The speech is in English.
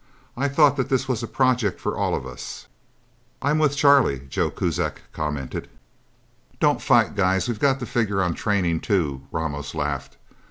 I thought that this was a project for all of us." "I'm with Charlie," Joe Kuzak commented. "Don't fight, guys we've got to figure on training, too," Ramos laughed.